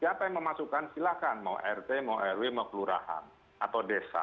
siapa yang memasukkan silahkan mau rt mau rw mau kelurahan atau desa